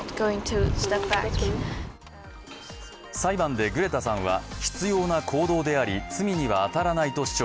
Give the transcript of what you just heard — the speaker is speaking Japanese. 裁判でグレタさんは必要な行動であり罪には当たらないと主張。